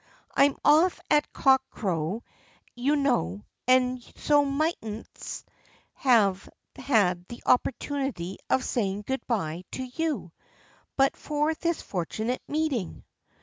"I'm off at cock crow, you know, and so mightn't have had the opportunity of saying good bye to you, but for this fortunate meeting."